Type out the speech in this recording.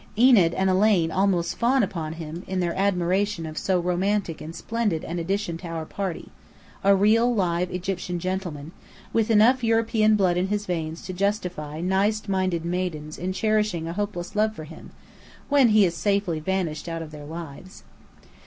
Enid and Elaine almost fawn upon him, in their admiration of so romantic and splendid an addition to our party: a real, live Egyptian gentleman, with enough European blood in his veins to justify nice minded maidens in cherishing a hopeless love for him, when he has safely vanished out of their lives.